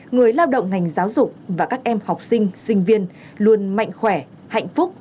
người lao động ngành giáo dục và các em học sinh sinh viên luôn mạnh khỏe hạnh phúc